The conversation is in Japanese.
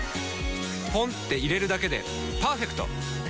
ポンって入れるだけでパーフェクト！